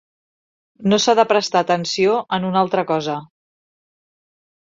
No s'ha de prestar atenció en una altra cosa.